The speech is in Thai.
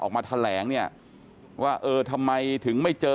ออกมาแถลงเนี่ยว่าเออทำไมถึงไม่เจอ